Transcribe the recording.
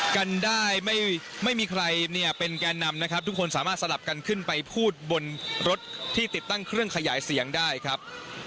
กันได้ไม่มีใครเนี่ยเป็นแกนนำนะครับทุกคนสามารถสลับกันขึ้นไปพูดบนรถที่ติดตั้งเครื่องขยายเสียงได้ครับ